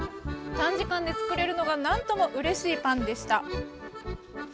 短時間で作れるのが何ともうれしいパンでした。